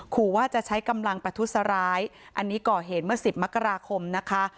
ขู่ว่าจะใช้กำลังประทุษร้ายอันนี้ก่อเหตุเมื่อ๑๐มกราคมนะคะ